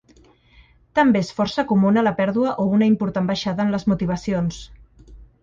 També és força comú la pèrdua o una important baixada en les motivacions.